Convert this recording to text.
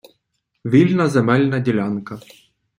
Вільна земельна ділянка.